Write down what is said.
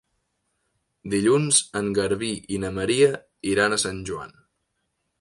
Dilluns en Garbí i na Maria iran a Sant Joan.